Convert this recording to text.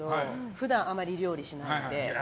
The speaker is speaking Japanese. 普段あまり料理しないので。